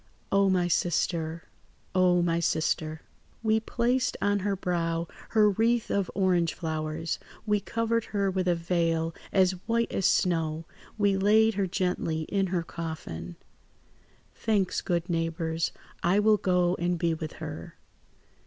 "Oh, my sister! Oh, my sister! "We placed on her brow her wreath of orangeflowers, we covered her with a veil as white as snow; we laid her gently in her coffin. "Thanks, good neighbours. I will go and be with her.